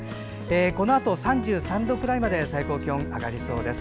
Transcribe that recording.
このあと３３度くらいまで最高気温上がりそうです。